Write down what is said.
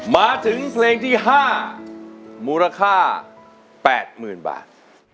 มาถึงเพลงที่๕มูลค่า๘๐๐๐บาท